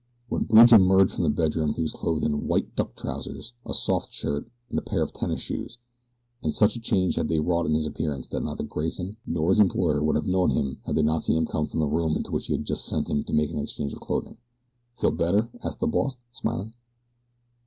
When Bridge emerged from the bedroom he was clothed in white duck trousers, a soft shirt, and a pair of tennis shoes, and such a change had they wrought in his appearance that neither Grayson nor his employer would have known him had they not seen him come from the room into which they had sent him to make the exchange of clothing. "Feel better?" asked the boss, smiling.